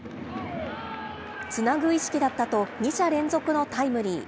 つなぐ意識だったと２者連続のタイムリー。